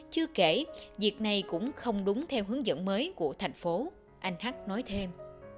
chưa kể việc này cũng không đúng theo hướng dẫn mới của thành phố anh hắc nói thêm